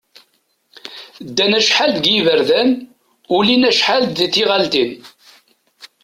Ddan acḥal deg yiberdan, ulin acḥal d tiɣalin.